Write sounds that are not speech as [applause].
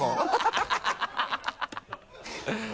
ハハハ [laughs]